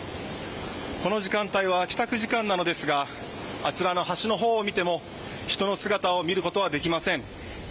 この時間帯は帰宅時間なのですがあちらの橋のほうを見ても人の姿を見ることはできません。